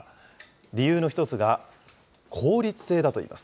理由の１つが、効率性だといいます。